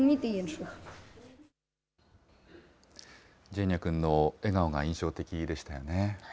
ジェーニャ君の笑顔が印象的でしたよね。